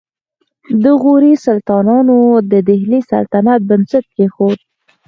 د غوري سلطانانو د دهلي سلطنت بنسټ کېښود